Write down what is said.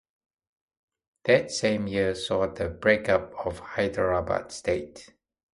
That same year saw the break-up of Hyderabad State.